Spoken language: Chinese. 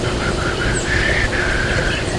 毛长叶女贞为木犀科女贞属长叶女贞的变种。